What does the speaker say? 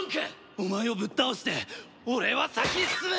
お前をぶっ倒して俺は先に進む！